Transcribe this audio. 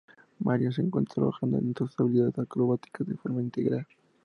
Marion se encuentra trabajando en sus habilidades acrobáticas de forma integral.